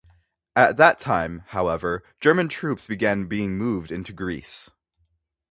At that time, however, German troops began being moved into Greece.